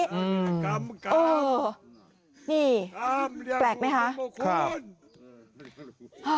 อืมเออนี่แปลกไหมคะครับคุณวิไล่ยังไม่ออกเลยค่ะ